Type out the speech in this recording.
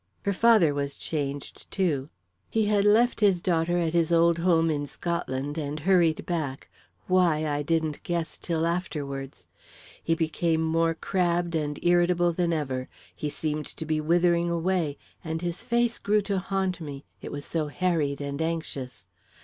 "Her father was changed, too. He had left his daughter at his old home in Scotland and hurried back why I didn't guess till afterwards. He became more crabbed and irritable than ever; he seemed to be withering away, and his face grew to haunt me, it was so harried and anxious.